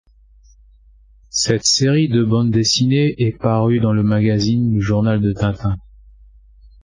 Cette série de bande dessinée est parue dans le magazine le journal de Tintin.